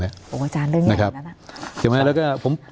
ไอวะจานเรื่องอย่างนี้